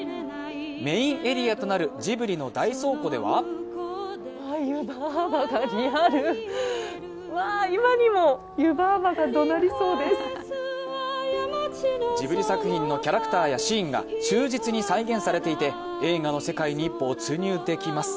メインエリアとなるジブリの大倉庫ではジブリ作品のキャラクターやシーンが忠実に再現されていて、映画の世界に没入できます。